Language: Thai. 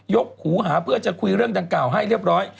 กหูหาเพื่อจะคุยเรื่องดังกล่าวให้เรียบร้อย